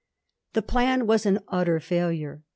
The plan was an utter failure.